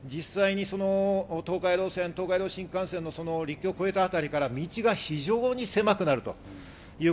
東海道線、東海道新幹線の陸橋を越えたあたりから道が非常に狭くなります。